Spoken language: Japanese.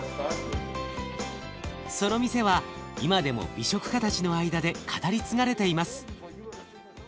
その店は今でも美食家たちの間で語り継がれています。